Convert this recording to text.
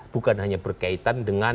bukan hanya berkaitan dengan